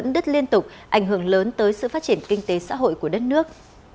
đối với sự phát triển kinh tế xã hội của đất nước